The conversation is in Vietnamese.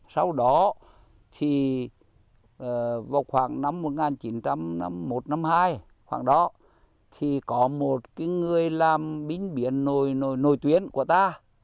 sau đó thì vào khoảng năm một nghìn chín trăm năm mươi một một nghìn chín trăm năm mươi hai khoảng đó thì có một người làm bín biển nội tuyến của ta